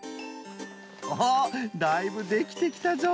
おだいぶできてきたぞ！